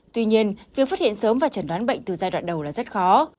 tuy nhiên việc phát hiện sớm và chẩn đoán bệnh từ giai đoạn đầu là rất khó